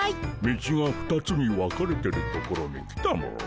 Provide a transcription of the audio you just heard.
道が２つに分かれてる所に来たモ。